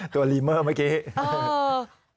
ตัวรีเมอร์เมื่อกี้